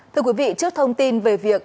thưa quý vị trước thông tin về việc